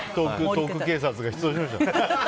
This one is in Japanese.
トーク警察が出動しました。